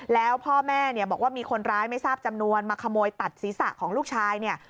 แล้วพ่อแม่บอกว่ามีคนร้ายไม่ทราบจำนวนมาขโมยตัดศรีสะของลูกชาย